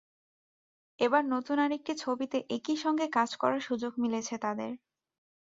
এবার নতুন আরেকটি ছবিতে একই সঙ্গে কাজ করার সুযোগ মিলেছে তাঁদের।